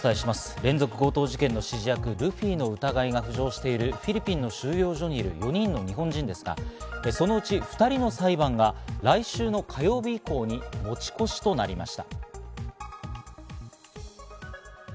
連続強盗事件の指示役ルフィの疑いが浮上しているフィリピンの収容所にいる４人の日本人ですが、そのうち２人の裁判が来週火曜日以降に持ち越しとなりました。